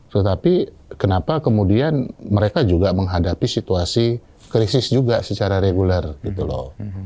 tetapi kenapa kemudian mereka juga menghadapi situasi krisis juga secara reguler gitu loh